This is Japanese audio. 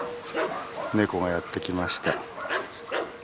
ネコがやって来ました。